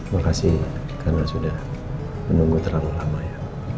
makasih karena sudah menunggu terlalu lama ya